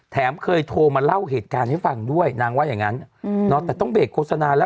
แถมเคยโทรมาเล่าเหตุการณ์ให้ฟังด้วยนางว่าอย่างงั้นแต่ต้องเบรกโฆษณาแล้ว